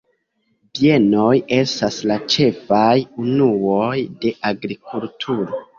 Bienoj estas la ĉefaj unuoj de agrikulturo.